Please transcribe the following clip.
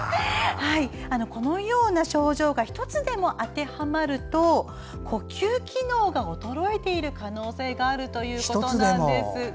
このような症状が１つでも当てはまると呼吸機能が衰えている可能性があるということなんです。